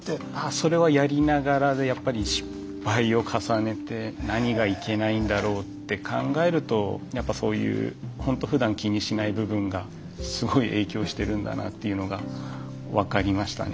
それはやりながらでやっぱり失敗を重ねて何がいけないんだろうって考えるとやっぱそういうほんとふだん気にしない部分がすごい影響してるんだなっていうのが分かりましたね。